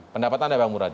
pendapat anda bang muradi